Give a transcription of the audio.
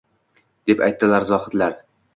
Deb aytdilar zohidlar.